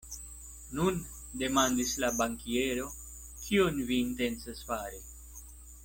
Nun, demandis la bankiero, kion vi intencas fari?